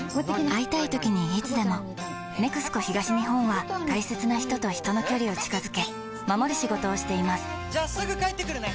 会いたいときにいつでも「ＮＥＸＣＯ東日本」は大切な人と人の距離を近づけ守る仕事をしていますじゃあすぐ帰ってくるね！